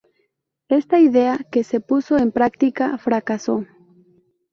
Esta idea, que se puso en práctica, fracasó.